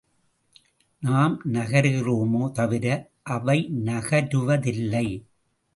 நாம் நகருகிறோமே தவிர, அவை நகருவதில்லை.